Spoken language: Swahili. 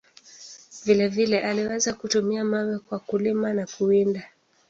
Vile vile, aliweza kutumia mawe kwa kulima na kuwinda.